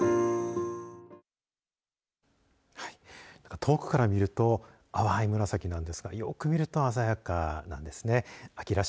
遠くから見ると淡い紫なんですがよく見るとあざやかですね。